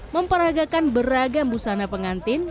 memperagakan beragam busana pengantin